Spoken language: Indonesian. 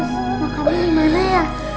sus makannya dimana ya